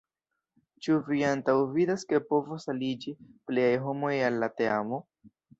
Ĉu vi antaŭvidas ke povos aliĝi pliaj homoj al la teamo?